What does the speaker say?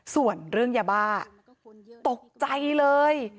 ส่วนเรื่องยาบ้าตกใจเลย